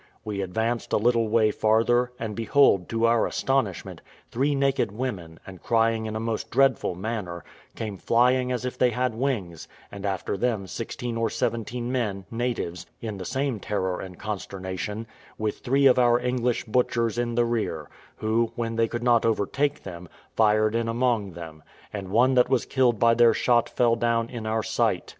We advanced a little way farther, and behold, to our astonishment, three naked women, and crying in a most dreadful manner, came flying as if they had wings, and after them sixteen or seventeen men, natives, in the same terror and consternation, with three of our English butchers in the rear, who, when they could not overtake them, fired in among them, and one that was killed by their shot fell down in our sight.